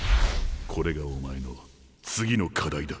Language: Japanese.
これがお前の次の課題だ。